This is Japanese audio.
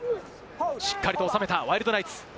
しっかりと収めたワイルドナイツ。